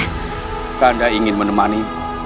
kak kanda ingin menemani